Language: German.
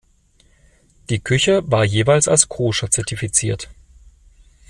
Die Küche war jeweils als koscher zertifiziert.